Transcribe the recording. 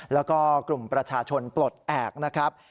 แล้วก็กลุ่มประชาชนปลดแอบนะครับ